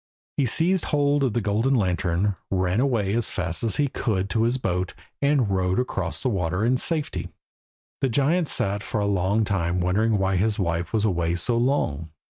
He seized hold of the golden lantern, ran away as fast as he could to his boat, and rowed across the water in safety. The giant sat for a long time wondering why his wife was away so long.